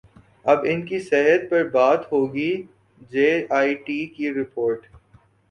اب ان کی صحت پر بات ہوگی جے آئی ٹی کی رپورٹ